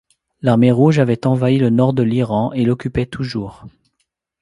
L'Armée rouge avait envahi le Nord de l'Iran et l'occupait toujours.